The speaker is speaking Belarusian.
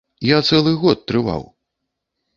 Я цэлы год трываў.